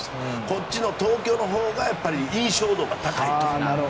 こっちの東京のほうが印象度が高いと。